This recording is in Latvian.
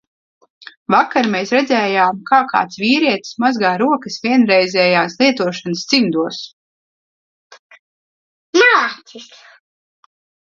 Vakar mēs redzējām, kā kāds vīrietis mazgā rokas vienreizējās lietošanas cimdos. Malacis.